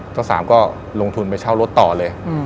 เจ้าสามก็ลงทุนไปเช่ารถต่อเลย